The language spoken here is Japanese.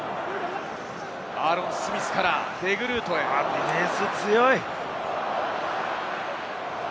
ディフェンス強い。